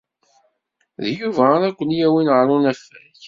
D Yuba ara ken-yawin ɣer unafag.